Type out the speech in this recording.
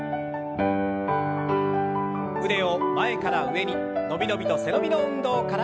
腕を前から上に伸び伸びと背伸びの運動から。